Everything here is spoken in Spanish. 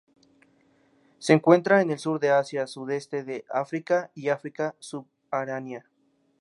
Se encuentra en el sur de Asia, sudeste de Asia y África subsahariana.